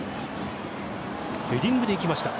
ヘディングで行きました。